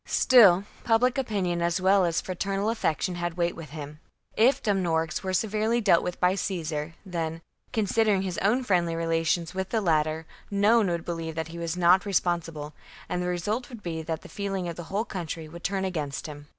Still, public opinion as well as fraternal affection had weight with him. If Dumnorix were severely dealt with by Caesar, then, considering his own friendly relations with the latter, no one would believe that he was not responsible; and the result would be that the feeling of the whole country would turn against him.